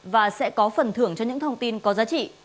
và sẽ có phần thưởng cho những thông tin có giá trị